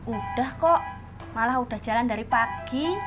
udah kok malah udah jalan dari pagi